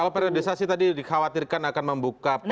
kalau priorisasi tadi dikhawatirkan akan membuka peluang